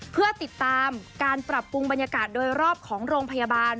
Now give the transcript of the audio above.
เพื่อติดตามการปรับปรุงบรรยากาศโดยรอบของโรงพยาบาล